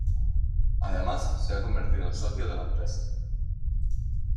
Además se ha convertido en socio de la empresa.